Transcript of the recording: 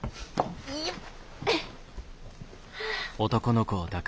よっ！